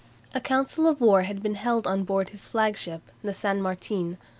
A council of war had been held on board his flagship, the "San Martin."